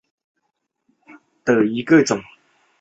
紫柄千年芋为天南星科千年芋属下的一个种。